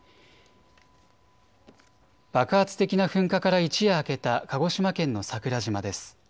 爆発的な噴火から一夜明けた鹿児島県の桜島です。